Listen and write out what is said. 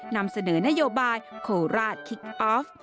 นำเสนอนโยบายโคราชคิกออฟ